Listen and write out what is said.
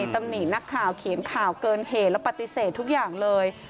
ตำหนินักข่าวเขียนข่าวเกินเหตุแล้วปฏิเสธทุกอย่างเลย